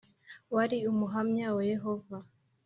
wari Umuhamya wa Yehova.